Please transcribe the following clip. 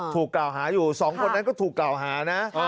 ถูกกล่าวหาอยู่๒คนนั้นก็ถูกกล่าวหานะ